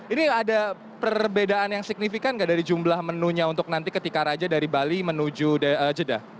ini ada perbedaan yang signifikan nggak dari jumlah menunya untuk nanti ketika raja dari bali menuju jeddah